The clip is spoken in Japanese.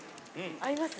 合います？